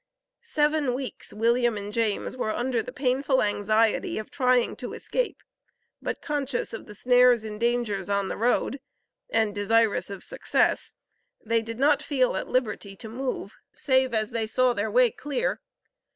Seven weeks William and James were under the painful anxiety of trying to escape, but conscious of the snares and dangers on the road, and desirous of success, they did not feel at liberty to move, save as they saw their way clear.